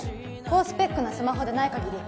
高スペックなスマホでないかぎり